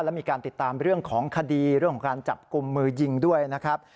และมีการติดตามเรื่องของคดีเรื่องของการจับกลุ่มมือยิงด้วยนะครับ